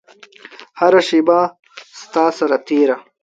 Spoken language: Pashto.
هره شیبه ستا سره تیره